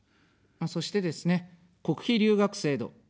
そしてですね、国費留学制度。